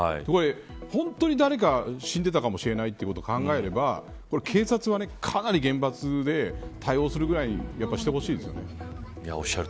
本当に誰か死んでいたかもしれないということを考えれば警察はかなり厳罰で対応するぐらいしてほしいです。